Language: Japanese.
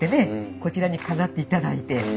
こちらに飾っていただいて。